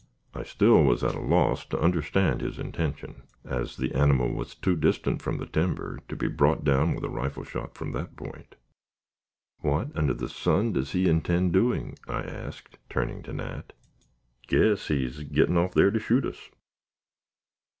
I still was at a loss to understand his intention, as the animal was too distant from the timber to be brought down with a rifle shot from that point. "What under the sun does he intend doing?" I asked, turning to Nat. "Guess he's getting off there to shoot us."